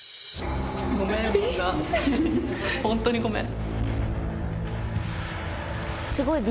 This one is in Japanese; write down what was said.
ごめんみんなホントにごめん。